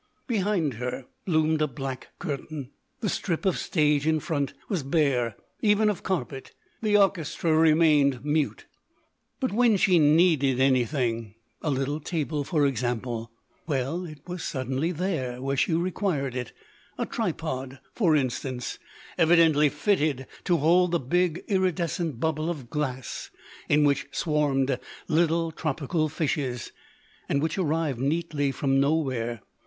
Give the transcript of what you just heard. Behind her loomed a black curtain; the strip of stage in front was bare even of carpet; the orchestra remained mute. But when she needed anything—a little table, for example—well, it was suddenly there where she required it—a tripod, for instance, evidently fitted to hold the big iridescent bubble of glass in which swarmed little tropical fishes—and which arrived neatly from nowhere.